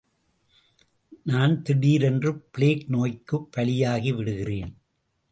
நான் திடீரென்று பிளேக் நோய்க்குப் பலியாகி விடுகிறேன்.